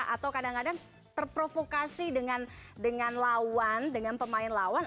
atau kadang kadang terprovokasi dengan lawan dengan pemain lawan